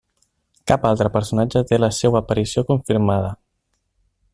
Cap altre personatge té la seua aparició confirmada.